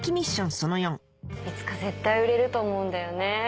その４いつか絶対売れると思うんだよね。